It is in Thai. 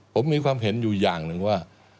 ผมมีความเห็นอยู่อย่างหนึ่งว่า